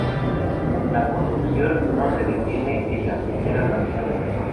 La corrupción no se detiene en las fronteras nacionales.